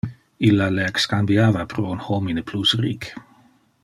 Illa le excambiava pro un homine plus ric.